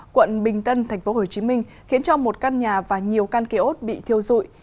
quận bình tân tp hcm khiến cho một căn nhà và nhiều căn kế ốt bị thiêu dụi